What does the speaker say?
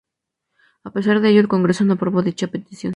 A pesar de ello el Congreso no aprobó dicha petición.